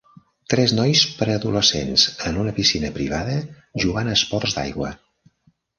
Tres nois preadolescents en una piscina privada jugant a esports d'aigua.